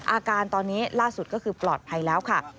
อาการตอนนี้ล่าสุดก็คือปลอดภัยแล้วค่ะ